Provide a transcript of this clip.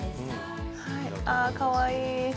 はいあかわいい。